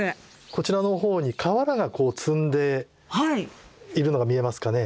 こちらの方に瓦が積んでいるのが見えますかね？